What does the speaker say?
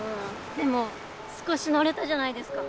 でも少しのれたじゃないですか。